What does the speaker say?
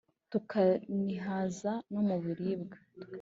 tukanihaza no mu biribwa